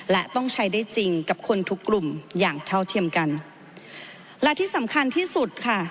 และต้องใช้ได้จริงกับคนทุกกลุ่มอย่างเท่าเทียมกันและที่สำคัญที่สุดค่ะ